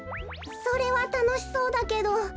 それはたのしそうだけど。